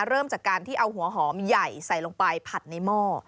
เริ่มจากการที่เอาหัวหอมใหญ่ใส่ลงไปผัดในหม้อ